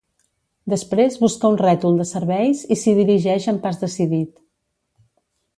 Després busca un rètol de serveis i s'hi dirigeix amb pas decidit.